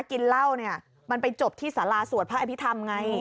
กินเหล้าเนี่ยมันไปจบที่สาราสวดพระอภิษฐรรมไง